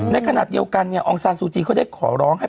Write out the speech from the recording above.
ในขณะเดียวกันเนี่ยองน์สานสู่จีนเขาได้ขอร้องให้